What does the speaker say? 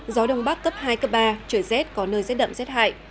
gió đông bắc cấp hai cấp ba trời rét có nơi rét đậm rét hại